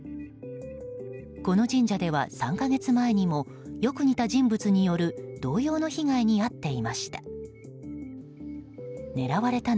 この神社では３か月前にもよく似た人物による同様の被害に遭っていました。